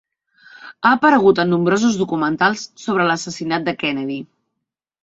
Ha aparegut en nombrosos documentals sobre l'assassinat de Kennedy.